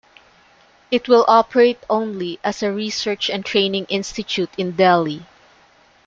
It will operate only as a research and training institute in Delhi.